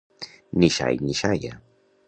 Ni xai ni xaia.